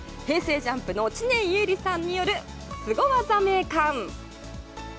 ＪＵＭＰの知念侑李さんによるスゴ技名鑑。